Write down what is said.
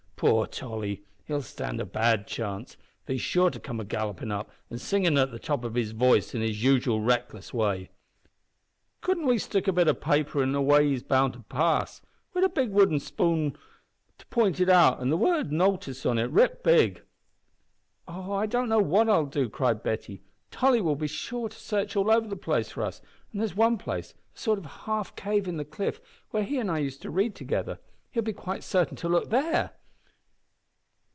Poor Tolly! he'll stand a bad chance, for he's sure to come gallopin' up, an' singin' at the top of his voice in his usual reckless way." "Cudn't we stick up a bit o' paper in the way he's bound to pass, wid a big wooden finger to point it out and the word `notice' on it writ big?" "Oh! I know what I'll do," cried Betty. "Tolly will be sure to search all over the place for us, and there's one place, a sort of half cave in the cliff, where he and I used to read together. He'll be quite certain to look there."